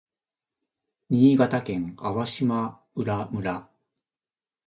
新潟県粟島浦村